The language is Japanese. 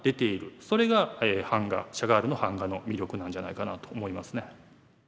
それが版画シャガールの版画の魅力なんじゃないかなと思いますね。